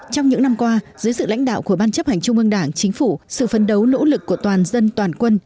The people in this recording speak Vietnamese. trong những năm qua dưới sự lãnh đạo của ban chấp hành trung ương đảng chính phủ sự phấn đấu nỗ lực của toàn dân toàn quân